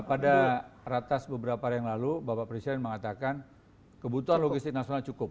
pada ratas beberapa hari yang lalu bapak presiden mengatakan kebutuhan logistik nasional cukup